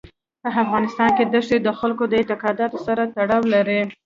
په افغانستان کې دښتې د خلکو د اعتقاداتو سره تړاو لري.